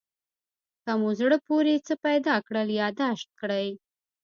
که مو زړه پورې څه پیدا کړل یادداشت کړئ.